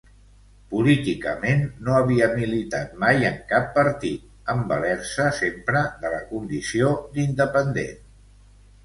Políticament, no havia militat mai en cap partit, en valer-se sempre de la condició d'independent.